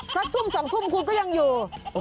สักทุ่ม๒ทุ่มคุณก็ยังอยู่